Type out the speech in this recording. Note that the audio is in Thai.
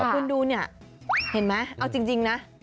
คุณดูเนี่ยเห็นไหมเอาจริงนะ